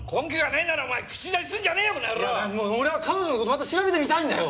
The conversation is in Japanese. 俺は彼女の事をまだ調べてみたいんだよ！